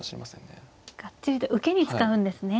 がっちりと受けに使うんですね。